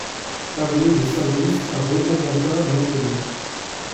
Avenue de Salbris à Romorantin-Lanthenay